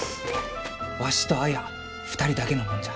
わしと綾２人だけのもんじゃ。